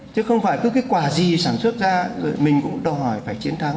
chứ không phải cứ cái quả gì sản xuất ra rồi mình cũng đòi hỏi phải chiến thắng